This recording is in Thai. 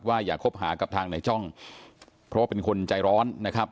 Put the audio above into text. อย่าคบหากับทางในจ้องเพราะว่าเป็นคนใจร้อนนะครับ